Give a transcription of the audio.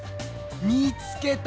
見つけた！